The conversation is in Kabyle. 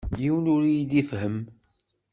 Yiwen ur yi-d-ifehhem.